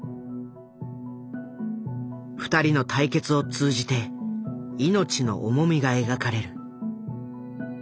２人の対決を通じて命の重みが描かれる。